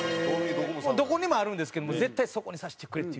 どこにもあるんですけども絶対そこにさせてくれって。